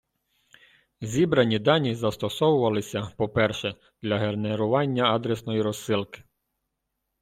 Зібрані дані застосовувалися, по - перше, для генерування адресної розсилки.